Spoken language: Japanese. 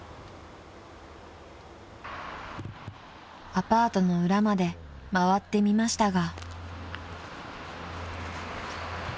［アパートの裏まで回ってみましたが］